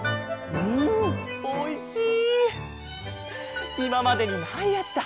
うんおいしい！